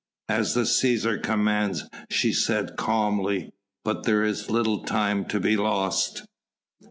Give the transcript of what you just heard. "As the Cæsar commands," she said calmly, "but there is little time to be lost."